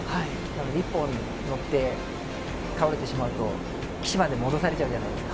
一本乗って倒れてしまうと岸まで戻されちゃうじゃないですか。